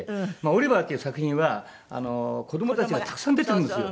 『オリバー！』という作品は子どもたちがたくさん出てくるんですよ。